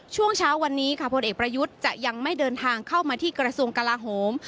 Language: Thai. ช่วงเช้าวันนี้ค่ะพลเอกประยุทธ์จะยังไม่เดินทางเข้ามาที่กระทรวงกลาโหม